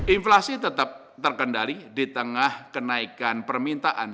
inflasi tetap terkendali di tengah kenaikan permintaan